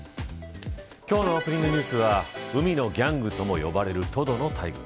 今日のオープニングニュースは海のギャングとも呼ばれるトドの大群。